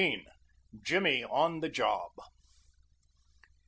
JIMMY ON THE JOB.